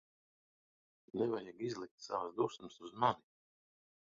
Nevajag izlikt savas dusmas uz mani.